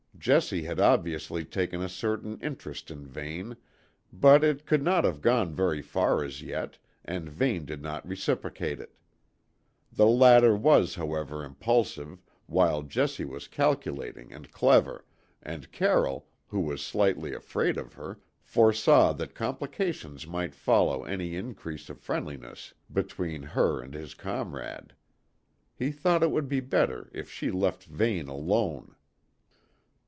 Jessie had obviously taken a certain interest in Vane, but it could not have gone very far as yet, and Vane did not reciprocate it. The latter was, however, impulsive, while Jessie was calculating and clever, and Carroll, who was slightly afraid of her, foresaw that complications might follow any increase of friendliness between her and his comrade. He thought it would be better if she left Vane alone.